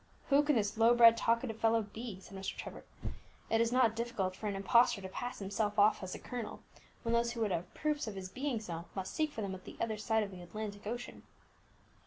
"Who can this low bred talkative fellow be?" said Mr. Trevor. "It is not difficult for an impostor to pass himself off as a colonel, when those who would have proofs of his being so must seek for them at the other side of the Atlantic Ocean."